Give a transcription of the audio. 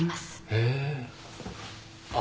へえあっ